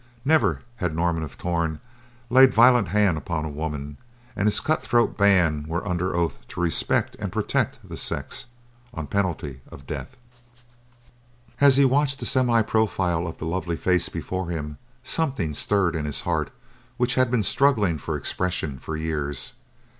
Never had Norman of Torn laid violent hand upon a woman, and his cut throat band were under oath to respect and protect the sex, on penalty of death. As he watched the semi profile of the lovely face before him, something stirred in his heart which had been struggling for expression for years.